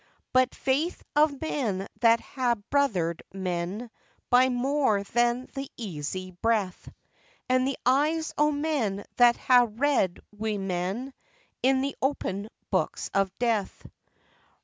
But the faith of men that ha' brothered men By more than the easy breath, And the eyes o' men that ha' read wi' men In the open books of death.